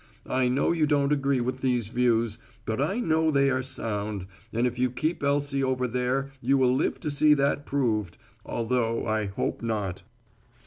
I know you don't agree with these views, but I know they are sound, and if you keep Elsie over there you will live to see that proved; although I hope not.